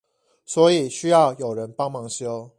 所以需要有人幫忙修